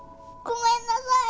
ごめんなさい。